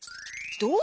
どう？